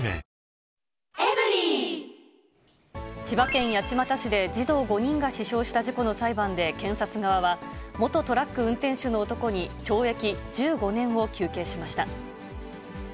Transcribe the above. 千葉県八街市で児童５人が死傷した事故の裁判で、検察側は、元トラック運転手の男に懲役１５年を求刑しました。